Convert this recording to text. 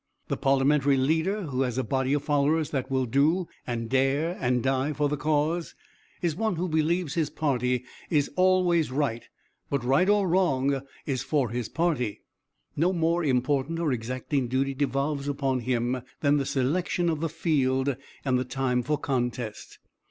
The parliamentary leader who has a body of followers that will do and dare and die for the cause, is one who believes his party always right, but right or wrong, is for his party. No more important or exacting duty devolves upon him than the selection of the field and the time for contest.